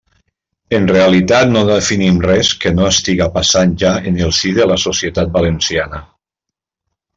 En realitat, no definim res que no estiga passant ja en el si de la societat valenciana.